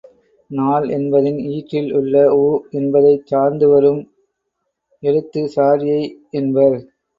நால் என்பதின் ஈற்றில் உள்ள உ என்பதைச் சார்த்துவரும் எழுத்து சாரியை என்பர்.